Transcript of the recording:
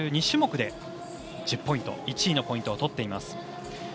２種目で１０ポイント１位のポイントを取っています。